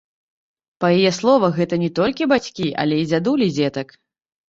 Па яе словах, гэта не толькі бацькі, але і дзядулі дзетак.